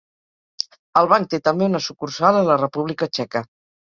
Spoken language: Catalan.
El Banc té també una sucursal a la República Txeca.